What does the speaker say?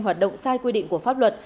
hoạt động sai quy định của pháp luật